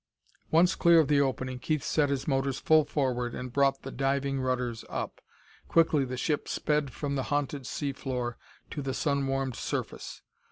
Once clear of the opening, Keith set his motors full forward and brought the diving rudders up. Quickly the ship sped from the haunted sea floor to the sun warmed surface.